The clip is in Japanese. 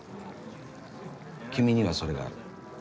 君にはそれがある。